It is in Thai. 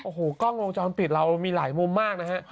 โอ้โหกล้องวงจรปิดเรามีหลายมุมมากนะฮะ